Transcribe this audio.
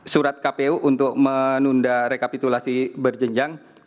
surat kpu untuk menunda rekapitulasi berjenjang